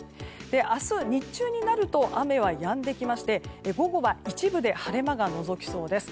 明日、日中になると雨はやんできまして午後は一部で晴れ間がのぞきそうです。